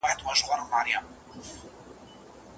پک که ډاکتر وای اول به یې د خپل سر علاج کړی وای.